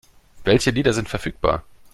Welche Lieder sind verfügbar?